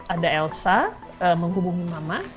ada elsa menghubungi mama